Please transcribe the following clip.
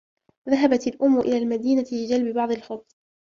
ذهبت الأم إلى المدينة لجلب بعض الخبز.